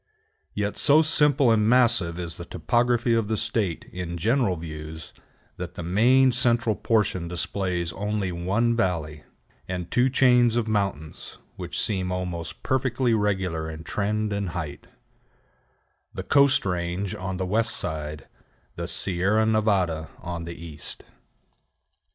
Yet so simple and massive is the topography of the State in general views, that the main central portion displays only one valley, and two chains of mountains which seem almost perfectly regular in trend and height: the Coast Range on the west side, the Sierra Nevada on the east.